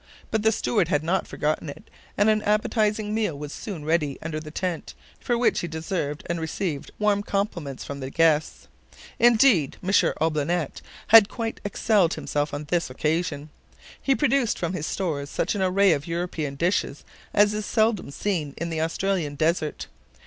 But the steward had not forgotten it, and an appetizing meal was soon ready under the tent, for which he deserved and received warm compliments from the guests. Indeed, M. Olbinett had quite excelled himself on this occasion. He produced from his stores such an array of European dishes as is seldom seen in the Australian desert.